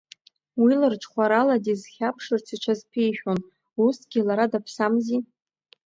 Уи лырҽхәарала дизхьарԥшырц иҽазԥишәон, усгьы лара даԥсамзи.